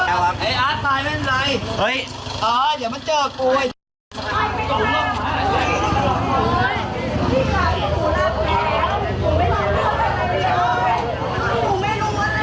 เอ้ยตายไม่ได้อ้าวอย่้ามาเจอกลัวเย้ย